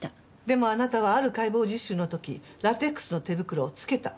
でもあなたはある解剖実習の時ラテックスの手袋をつけた。